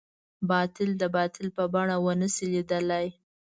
باطل د باطل په بڼه ونه شي ليدلی.